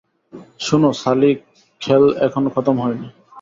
শোনো, সালি, খেল এখনো খতম হয়নি।